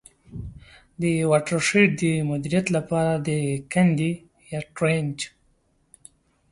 د واټر شید د مدیریت له پاره د کندي Trench.